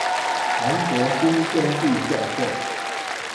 韓國新天地教會